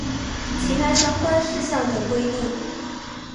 其他相关事项等规定